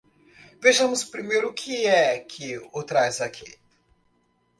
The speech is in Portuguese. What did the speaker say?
Vejamos primeiro o que é que o traz aqui.